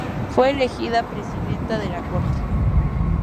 Fue elegida presidenta de la corte.